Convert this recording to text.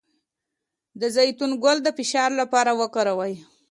د زیتون ګل د فشار لپاره وکاروئ